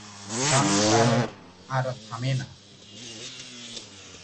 গান তার আর থামে না।